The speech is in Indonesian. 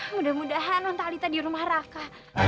mudah mudahan nontalita di rumah raka